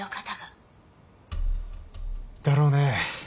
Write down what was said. だろうね。